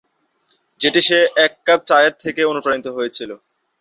যেটি সে এক কাপ চায়ের থেকে অনুপ্রাণিত হয়েছিল।